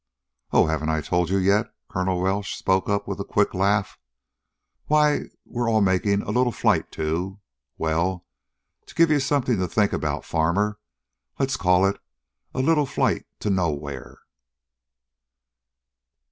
"Oh, haven't I told you yet?" Colonel Welsh spoke up with a quick laugh. "Why, we're all making a little flight to well, to give you something to think about, Farmer, let's call it a little flight to nowhere!"